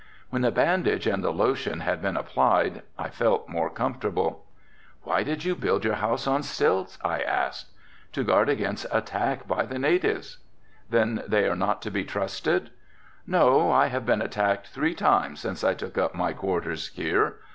When the bandage and the lotion had been applied I felt more comfortable. "Why did you build your house on stilts?" I asked. "To guard against attacks by the natives." "Then they are not to be trusted?" "No, I have been attacked three times since I took up my quarters here.